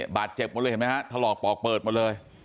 บาดเจ็บหมดเลยเห็นไหมฮะถลอกปอกเปิดหมดเลย